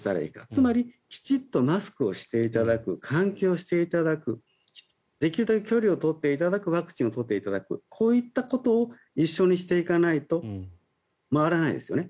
つまりきちんとマスクをしていただく換気をしていただくできるだけ距離を取っていただくワクチンを取っていただくこういったことを一緒にしていかないと回らないですよね。